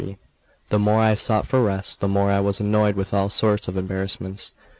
XXX THE MORE I sought for rest, the more I was annoyed with all sorts of embarrassments.